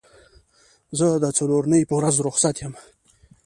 زه د څلورنۍ په ورځ روخصت یم